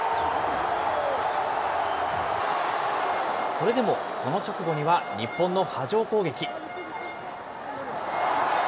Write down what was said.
それでも、その直後には日本の波状攻撃。